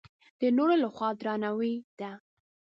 د نورو له خوا درناوی ده.